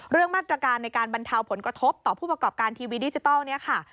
เรื่องมาตรการในการบรรเทาผลกระทบต่อผู้ประกอบการทีวีดิจิทัลเนี่ยค่ะ